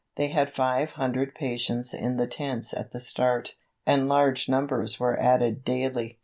They had five hundred patients in the tents at the start, and large numbers were added daily.